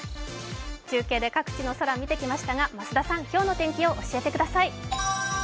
中継で各地の空を見てきましたが、増田さん、今日の天気を教えてください。